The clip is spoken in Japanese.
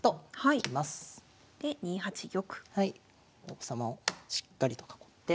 王様をしっかりと囲って。